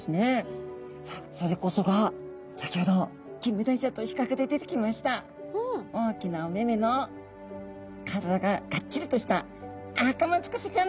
それこそが先ほどキンメダイちゃんと比較で出てきました大きなお目々の体がガッチリとしたアカマツカサちゃんの仲間たちです。